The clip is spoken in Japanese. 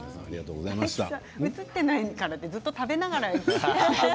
映っていないからってずっと食べながら。